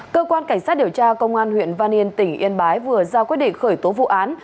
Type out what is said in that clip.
cơ quan cảnh sát điều tra công an huyện văn yên tỉnh yên bái vừa ra quyết định khởi tố vụ án